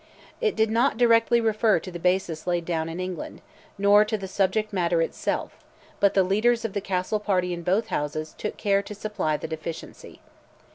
It did not directly refer to the basis laid down in England, nor to the subject matter itself; but the leaders of the Castle party in both Houses, took care to supply the deficiency.